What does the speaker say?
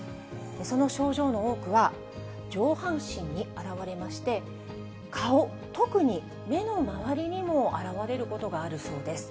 その症状の多くは上半身に現れまして、顔、特に目の周りにも現れることがあるそうです。